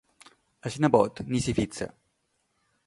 El nebot ni s'hi fixa.